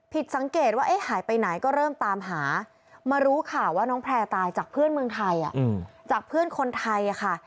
ผิดสังเกตว่าหายไปไหนก็เริ่มตามหามารู้ข่าวว่าน้องแพร่ตายจากเพื่อนเมืองไทยจากเพื่อนคนไทยค่ะ